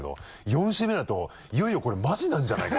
４週目になるといよいよこれマジなんじゃないかな。